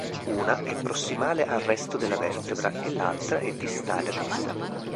Una è prossimale al resto della vertebra e l'altra è distale ad essa.